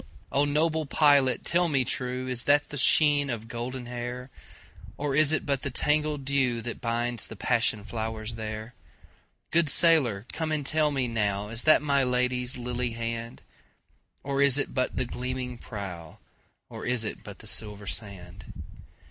O noble pilot tell me trueIs that the sheen of golden hair? Or is it but the tangled dewThat binds the passion flowers there? Good sailor come and tell me nowIs that my Lady's lily hand? Or is it but the gleaming prow, Or is it but the silver sand?